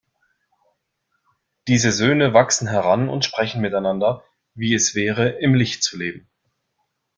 Diese Söhne wachsen heran und sprechen miteinander, wie es wäre, im Licht zu leben.